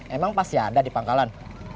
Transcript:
emang pasti ada di pangkalan